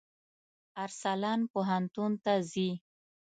ارسلان پوهنتون ته ځي.